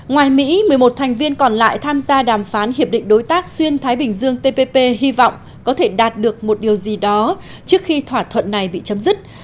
ngoài mỹ một mươi một thành viên còn lại tham gia đàm phán hiệp định đối tác xuyên thái bình dương tpp hy vọng có thể đạt được một điều gì đó trước khi thỏa thuận này bị chấm dứt